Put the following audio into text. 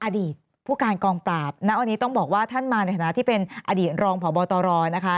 อดีตผู้การกองปราบณวันนี้ต้องบอกว่าท่านมาในฐานะที่เป็นอดีตรองพบตรนะคะ